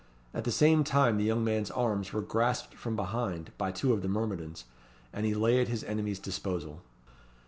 At the same time the young man's arms were grasped from behind by two of the myrmidons, and he lay at his enemy's disposal.